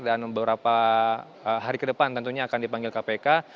dan beberapa hari ke depan tentunya akan dipanggil kpk